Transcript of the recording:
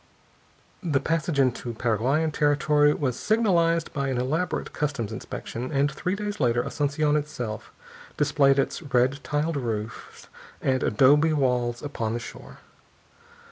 The passage into Paraguayan territory was signalized by an elaborate customs inspection, and three days later Asunción itself displayed its red tiled roofs and adobe walls upon the shore.